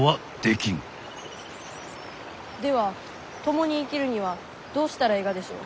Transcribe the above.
では共に生きるにはどうしたらえいがでしょう？